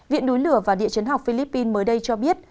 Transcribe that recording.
viện núi lửa và địa chấn học philippines mới đây cho biết